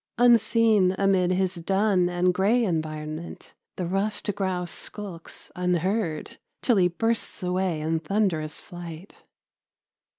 Unseen amid his dun and gray environment, the ruffed grouse skulks unheard, till he bursts away in thunderous flight.